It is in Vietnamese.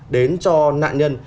đến cho nạn nhân